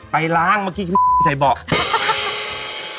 ไปล้างเมื่อกี้คือใส่เบาะ